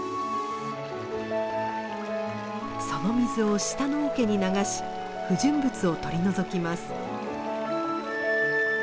その水を下の桶に流し不純物を取り除きます。